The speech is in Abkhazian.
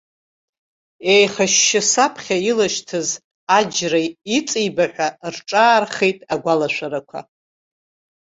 Еихашьшьы саԥхьа илашьҭыз аџьра иҵибаҳәа рҿаархеит агәалашәарақәа.